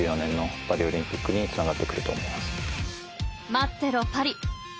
［待ってろパリ］